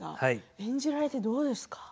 演じられてどうですか？